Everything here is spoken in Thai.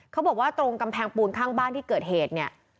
เขาบอกว่าตรงกำแพงปูนข้างบ้านที่เกิดเหตุเนี่ย